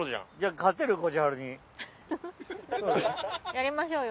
やりましょうよ。